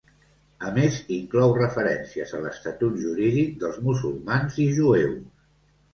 A més inclou referències a l'estatut jurídic dels musulmans i jueus.